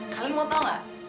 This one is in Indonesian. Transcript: kalian mau tau gak